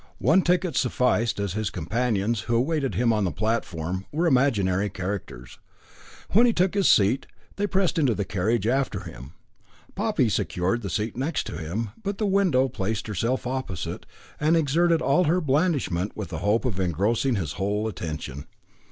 One ticket sufficed, as his companions, who awaited him on the platform, were imaginary characters. When he took his seat, they pressed into the carriage after him. Poppy secured the seat next him, but the widow placed herself opposite, and exerted all her blandishment with the hope of engrossing his whole attention.